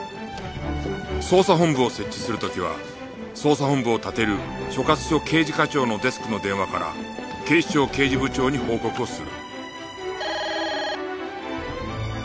捜査本部を設置する時は捜査本部を立てる所轄署刑事課長のデスクの電話から警視庁刑事部長に報告をする